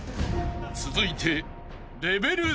［続いて］